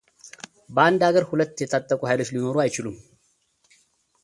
በአንድ አገር ሁለት የታጠቁ ሃይሎች ሊኖሩ አይችሉም።